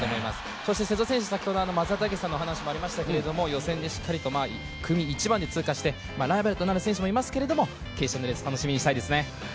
そして瀬戸選手、先ほど松田丈志さんのお話にもありましたけど、予選でしっかりと組１番で通過して、ライバルとなる選手もいますけれど決勝のレース、楽しみにしたいですね。